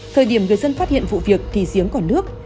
thời điểm người dân phát hiện vụ việc thì giếng còn nước